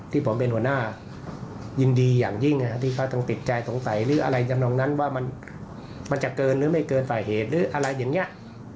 ที่ผมเป็นหัวหน้ายินดีอย่างยิ่งที่เขาต้องติดใจสงสัยหรืออะไรจำนองนั้นว่ามันจะเกินหรือไม่เกินสาเหตุหรืออะไรอย่างนี้